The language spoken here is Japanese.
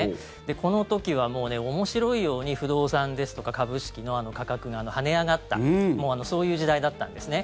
この時は面白いように不動産ですとか株式の価格が跳ね上がったそういう時代だったんですね。